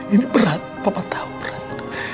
ini berat papa tahu berat